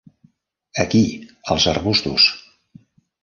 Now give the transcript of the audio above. Aquí, als arbustos.